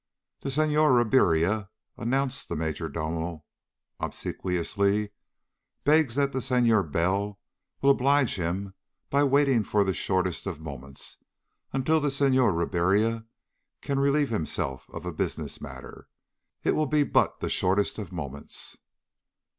"The Senhor Ribiera," announced the major domo obsequiously, "begs that the Senhor Bell will oblige him by waiting for the shortest of moments until the Senhor Ribiera can relieve himself of a business matter. It will be but the shortest of moments."